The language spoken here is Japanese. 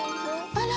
あら。